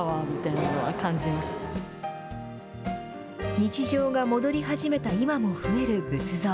日常が戻り始めた今も増える仏像。